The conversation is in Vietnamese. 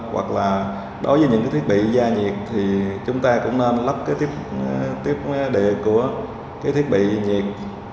hoặc là đối với những cái thiết bị gia nhiệt thì chúng ta cũng nên lắp cái tiếp địa của cái thiết bị nhiệt